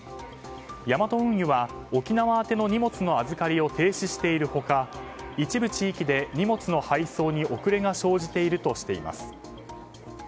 ヤマト運輸は沖縄宛ての荷物の預かりを停止している他一部地域で荷物の配送に遅れが生じているとしています。